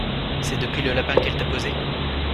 C'est depuis le lapin qu'elle t'a posé?